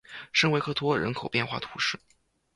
圣维克托人口变化图示